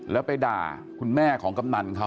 แล้วไปด่าคุณแม่ของกำนันเขา